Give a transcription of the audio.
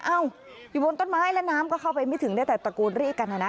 เอ้าอยู่บนต้นไม้แล้วน้ำก็เข้าไปไม่ถึงได้แต่ตะโกนเรียกกันนะนะ